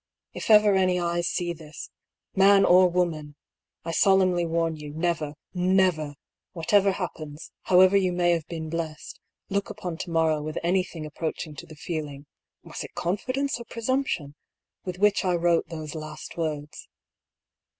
If ever any eyes see this — man or woman, — I solemnly warn you, never, never, whatever happens, however you may have been blessed, look upon to morrow with anything approaching to the feeling (was it confidence or pre sumption ?) with which I wrote those last words.